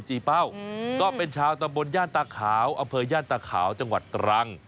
จีเป้าอืมก็เป็นชาวตะบนย่านตาขาวอเภย่านตาขาวจังหวัดตรัง